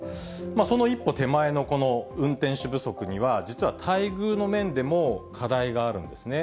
その一歩手前の、この運転手不足には、実は待遇の面でも課題があるんですね。